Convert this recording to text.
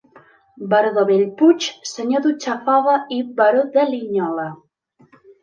Baró de Bellpuig, senyor d'Utxafava i baró de Linyola.